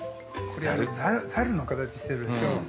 ◆これ、ざるの形してるでしょう。